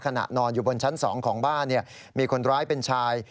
นอนอยู่บนชั้น๒ของบ้านมีคนร้ายเป็นชาย